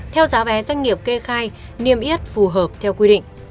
theo giáo vé doanh nghiệp kê khai niềm yết phù hợp theo quy định